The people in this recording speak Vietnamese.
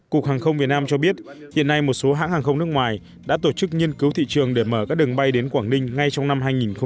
cục hàng không việt nam cho biết hiện nay một số hãng hàng không nước ngoài đã tổ chức nghiên cứu thị trường để mở các đường bay đến quảng ninh ngay trong năm hai nghìn hai mươi